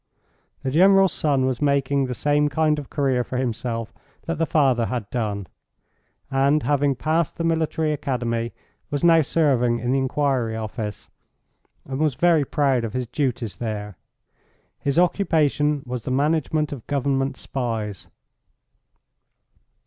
The General's son was making the same kind of career for himself that the father had done, and, having passed the Military Academy, was now serving in the Inquiry Office, and was very proud of his duties there. His occupation was the management of Government spies.